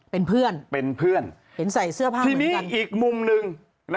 เป็นเพื่อนเป็นเพื่อนเห็นใส่เสื้อผ้าที่มีอีกมุมหนึ่ง